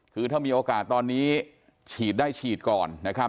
คือถ้ามีโอกาสตอนนี้ฉีดได้ฉีดก่อนนะครับ